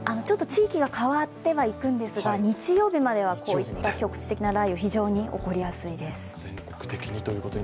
地域が変わってはいくんですが、日曜日までは局地的な雷雨非常に起こりやすいです。